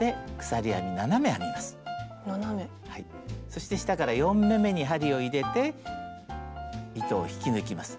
そして下から４目めに針を入れて糸を引き抜きます。